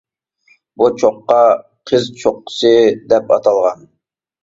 بۇ چوققا «قىز چوققىسى» دەپ ئاتالغان.